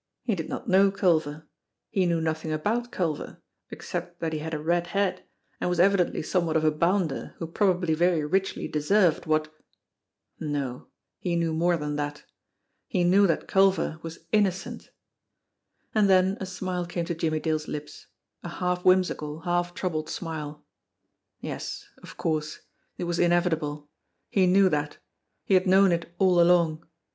He did not know Culver. He knew nothing about Culver except that he had a red head, and was evi dently somewhat of a bounder who probably very richly deserved what No ; he knew more than that. He knew that Culver was innocent. And then a smile came to Jimmie Dale's lips, a half whim sical, half troubled smile. Yes, of course ! It was inevitable ! He knew that. He had known it all along.